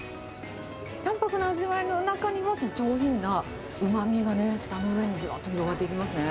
淡白な味わいの中にも、上品なうまみがね、舌の上にじわっと広がっていきますね。